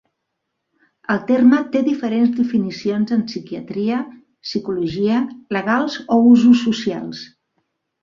El terme té diferents definicions en psiquiatria, psicologia, legals o usos socials.